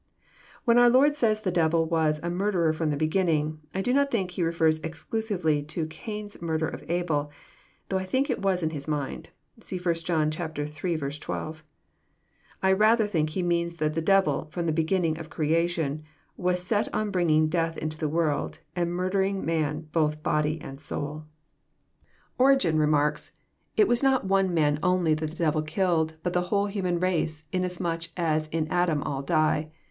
When our Lord says the devil was a "murderer from the beginning," I do not think He refers exclusively to Cain's mur der of Abel, though I think it was in His mind. (See 1 John Hi. 12.) I rather think He means that the devil, flrom the beginning of creation, was set on bringing death into the world, and mar« dering man both body and soul. JOHN, CHAP. vin. 119 Orlgen remarks: "It was not one man only that the devil killed, but the whole human race, inasmuch as in Adam all die.